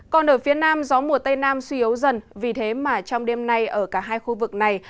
còn ở phía nam gió mùa tây nam suy yếu dần vì thế mà trong đêm nay ở cả hai khu vực này